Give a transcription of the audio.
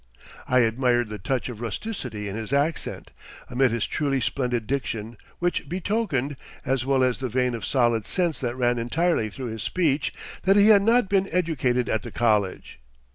I admired the touch of rusticity in his accent, amid his truly splendid diction, which betokened, as well as the vein of solid sense that ran entirely through his speech, that he had not been educated at the college.